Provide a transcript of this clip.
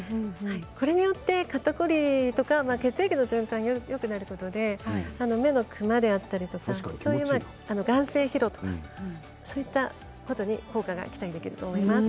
これによって肩凝りとか血液の循環がよくなることで目のくまであったりそういう眼精疲労とかそういったことに効果が期待できると思います。